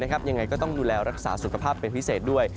ยังไงก็ต้องดูแลรักษาสุขภาพเป็นพิเศษด้วย